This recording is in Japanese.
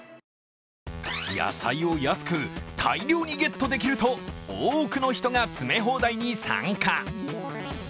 野菜を安く、大量にゲットできると多くの人が詰め放題に参加。